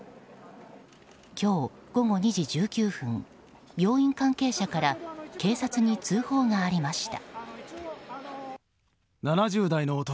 今日午後２時１９分病院関係者から警察に通報がありました。